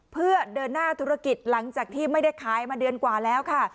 เพื่อเดินหน้าธุรกิจหลังจากที่ไม่ได้ขายมาเดือนกว่าแล้วค่ะ